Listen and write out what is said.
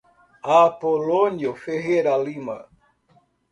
Apolonio Ferreira Lima